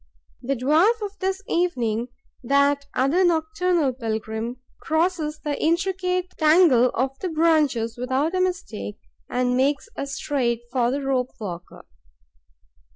The dwarf of this evening, that other nocturnal pilgrim, crosses the intricate tangle of the branches without a mistake and makes straight for the rope walker.